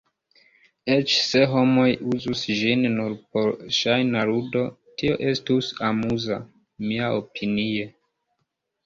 Eĉ se homoj uzus ĝin nur por ŝajna ludo, tio estus amuza, miaopinie.